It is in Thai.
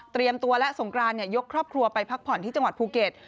ตัวและสงกรานยกครอบครัวไปพักผ่อนที่จังหวัดภูเก็ต